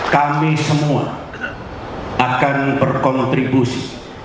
kami semua akan berkontribusi